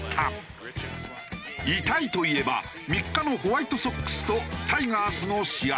痛いといえば３日のホワイトソックスとタイガースの試合。